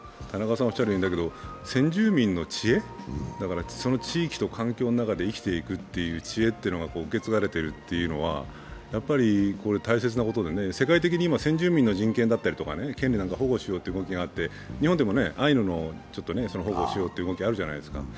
先住民の知恵、その地域と環境の中で生きていく知恵というのが受け継がれているというのは大切なことで、世界的に今、先住民の人権だったりとか、権利だったりを保護しようという動きがあって日本でもアイヌを保護しようという動きがあるじゃないですか。